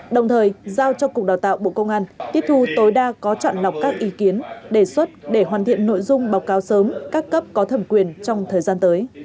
đồng thời giao cho cục đào tạo bộ công an tiếp thu tối đa có chọn lọc các ý kiến đề xuất để hoàn thiện nội dung báo cáo sớm các cấp có thẩm quyền trong thời gian tới